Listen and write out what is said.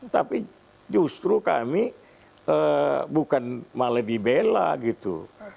tapi justru kami bukan malah dibela gitu